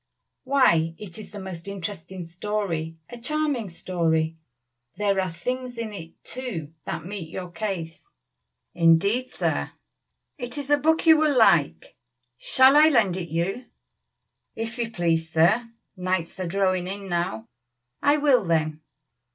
Why it is a most interesting story a charming story. There are things in it, too, that meet your case.'" "Indeed, sir." "It is a book you will like. Shall I lend it you?" "If you please, sir. Nights are drawing in now." "I will, then."